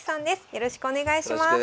よろしくお願いします。